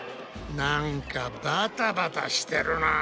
なんかバタバタしてるな。